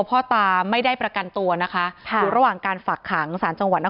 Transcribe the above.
ยุบันดีหม่าตาโลศ